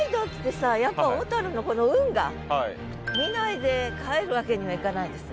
さやっぱ小のこの運河見ないで帰るわけにはいかないですね。